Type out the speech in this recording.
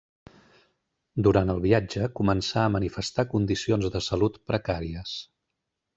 Durant el viatge començà a manifestar condicions de salut precàries.